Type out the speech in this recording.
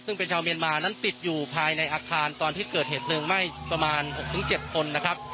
ซึ่งเป็นชาวเมียนมานั้นติดอยู่ภายในอาคารตอนที่เกิดเหตุเพลิงไหม้ประมาณ๖๗คนนะครับ